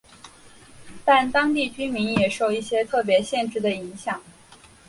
但当地居民也受一些特别限制的影响。